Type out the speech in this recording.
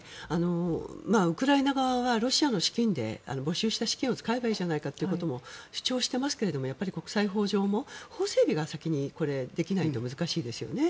ウクライナ側はロシアの資金で没収した資金を使えばいいじゃないかと主張していますけども国際法上も法整備が先にできないと難しいですよね。